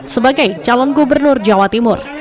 sebagai calon gubernur jawa timur